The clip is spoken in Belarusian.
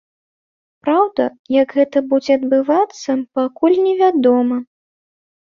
Праўда, як гэта будзе адбывацца, пакуль невядома.